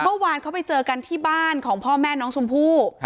เมื่อวานเขาไปเจอกันที่บ้านของพ่อแม่น้องชมพู่